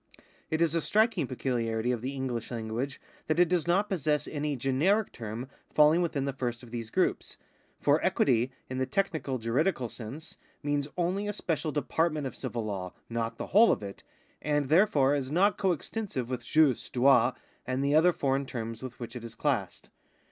It is a striking pecuHarity of the Enghsh language that it does not possess any generic term faUing within the first of these groups ; for equity, in the technical juridical sense, means only a special department of civil law, not the whole of it, and therefore is not coextensive with jus, droit, and the other foreign terms with which it is classed.